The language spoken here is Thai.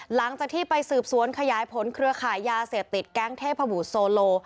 หลังจากที่ไปสืบสวนขยายผลเครือขายยาเสพติดแก๊งเทพบุตรโซโล